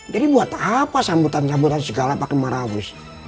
jadi buat apa sambutan sambutan segala pak mah rawis